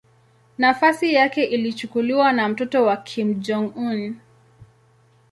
Nafasi yake ilichukuliwa na mtoto wake Kim Jong-un.